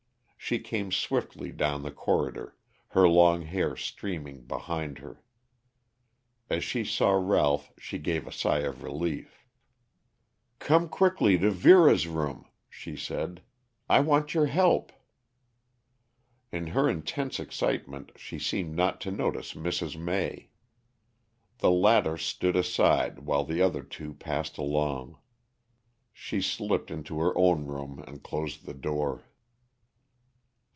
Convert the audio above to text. She came swiftly down the corridor, her long hair streaming behind her. As she saw Ralph she gave a sigh of relief. "Come quickly to Vera's room," she said. "I want your help." In her intense excitement she seemed not to notice Mrs. May. The latter stood aside while the other two passed along. She slipped into her own room and closed the door.